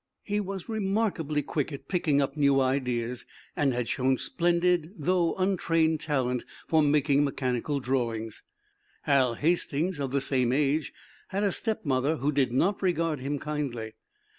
He was remarkably quick at picking up new ideas, and had shown splendid, though untrained, talent for making mechanical drawings. Hal Hastings, of the same age, had a stepmother who did not regard him kindly.